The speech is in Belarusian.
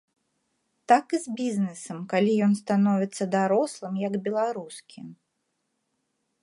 Так і з бізнесам, калі ён становіцца дарослым, як беларускі.